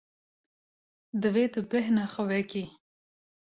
Divê tu bêhna xwe vekî.